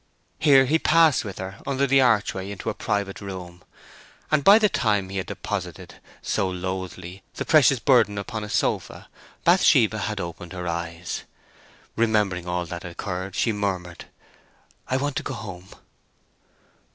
Here he passed with her under the archway into a private room; and by the time he had deposited—so lothly—the precious burden upon a sofa, Bathsheba had opened her eyes. Remembering all that had occurred, she murmured, "I want to go home!"